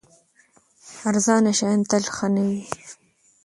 ارزانه شیان تل ښه نه وي.